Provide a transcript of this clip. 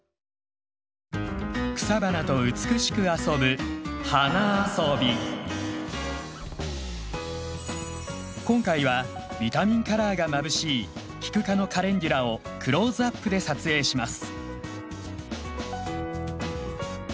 草花と美しく遊ぶ今回はビタミンカラーがまぶしいキク科のカレンデュラをクローズアップで撮影します。